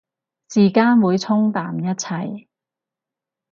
時間會沖淡一切